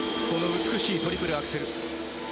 その美しいトリプルアクセル。